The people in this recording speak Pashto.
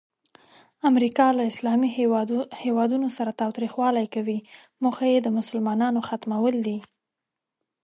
امریکا له اسلامي هیوادونو سره تاوتریخوالی کوي، موخه یې د مسلمانانو ختمول دي.